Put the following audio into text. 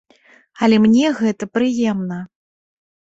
Але мне гэта прыемна.